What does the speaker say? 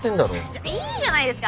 じゃあいいじゃないですか